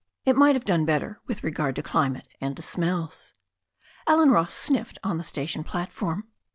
It might have done better with regard to climate and to smells. Allen Ross sniffed on the station platform.